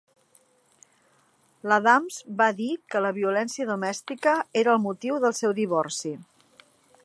L"Adams va dir que la violència domèstica era el motiu del seu divorci.